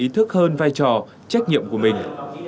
tức hơn vai trò trách nhiệm của mình